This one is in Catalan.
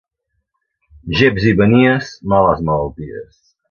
Geps i manies, males malalties.